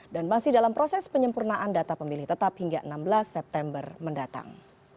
dan masih dalam proses penyempurnaan data pemilih tetap hingga enam belas september mendatang